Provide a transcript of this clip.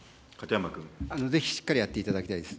ぜひしっかりやっていただきたいです。